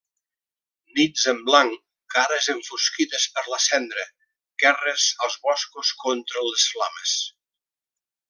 Nits en blanc, cares enfosquides per la cendra, guerra als boscos contra les flames.